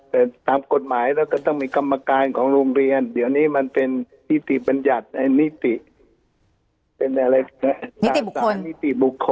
แต่ตามกฎหมายเราก็ต้องมีกรรมการของโรงเรียนเดี๋ยวนี้มันเป็นนิติบรรยัตน์นิติบุคคล